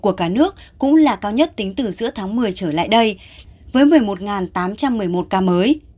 của cả nước cũng là cao nhất tính từ giữa tháng một mươi trở lại đây với một mươi một tám trăm một mươi một ca mới